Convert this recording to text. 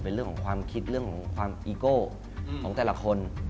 เป็นเรื่องของความคิดเรื่องของความอีโก้ของแต่ละคน